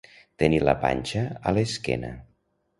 Tenir la panxa a l'esquena.